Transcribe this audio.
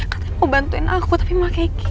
katanya mau bantuin aku tapi mah kayak gini